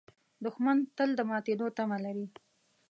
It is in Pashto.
دښمن تل د ماتېدو تمه لري